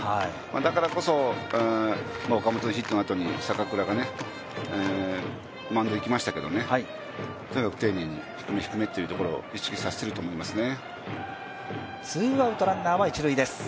だからこそ岡本のヒットの後に坂倉がマウンドに行きましたけどとにかく丁寧に低め低めというところを意識させていると思いますね。